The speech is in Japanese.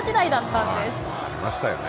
ありましたよね。